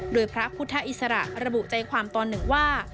โดยพระพุทธอิสระระบุใจความตอนหนึ่งว่า